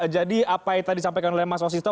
jadi apa yang tadi disampaikan oleh mas wasisto